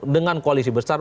dengan koalisi besar